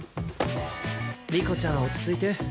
理子ちゃん落ち着いて。